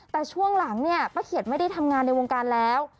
แต่ช่วงหลังเนี่ยป้าเขียดไม่ได้ทำงานในวงการแล้ว